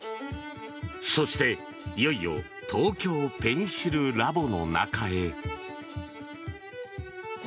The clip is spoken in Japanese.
そして、いよいよ東京ペンシルラボの中へ。